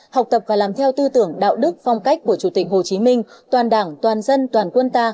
học tập và làm theo tư tưởng đạo đức phong cách của chủ tịch hồ chí minh toàn đảng toàn dân toàn quân ta